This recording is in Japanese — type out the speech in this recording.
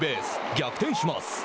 逆転します。